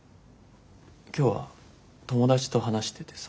今日は友達と話しててさ。